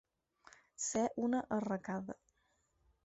Ser una arracada.